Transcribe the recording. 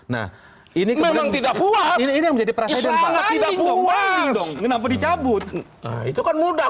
nah ini memang tidak puas ini yang menjadi presiden sangat tidak puas dong kenapa dicabut itu kan mudah